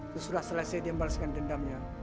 setelah selesai dia membalaskan dendamnya